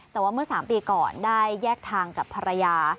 แต่ว่าเมื่อ๓ปีก่อนได้แยกทางกับภรรยา